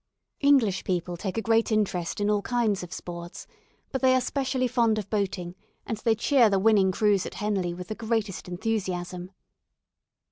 English people take a great interest in all kinds of sports, but they are specially fond of boating, and they cheer the winning crews at Henley with the greatest enthusiasm.